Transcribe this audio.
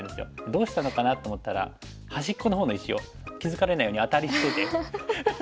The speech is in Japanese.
どうしたのかなと思ったら端っこのほうの石を気付かれないようにアタリしてて。